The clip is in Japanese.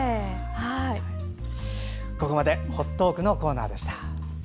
ここまで「ほっトーク」のコーナーでした。